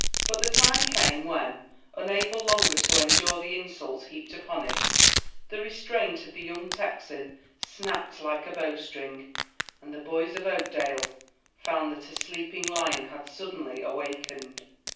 But the time came when, unable longer to endure the insults heaped upon him, the restraint of the young Texan snapped like a bowstring, and the boys of Oakdale found that a sleeping lion had suddenly awakened.